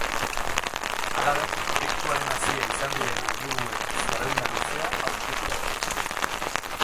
Halaber, proiektuaren hazia izan diren liburuen zerrenda luzea aurkitu daiteke.